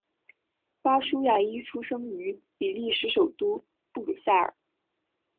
巴舒亚伊出生于比利时首都布鲁塞尔。